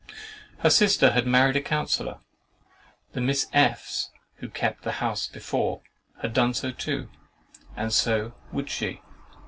Her sister had married a counsellor—the Miss F——'s, who kept the house before, had done so too—and so would she.